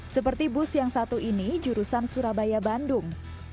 seperti bus yang satu ini jurusan surabaya bandung